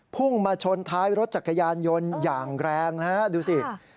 พุ่งมาชนท้ายรถจักรยานยนต์อย่างแรงนะฮะดูสิ